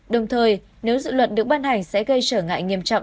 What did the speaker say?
đồng thời nếu dự luật được ban hành sẽ gây trở ngại nghiêm trọng